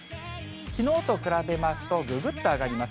きのうと比べますと、ぐぐっと上がります。